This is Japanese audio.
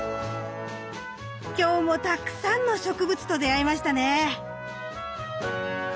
今日もたくさんの植物と出会えましたね。